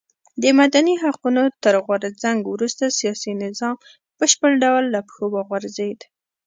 د مدني حقونو تر غورځنګ وروسته سیاسي نظام په بشپړ ډول له پښو وغورځېد.